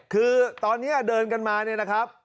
คือตอนนี้เดินกันมาเนี่ยนะครับ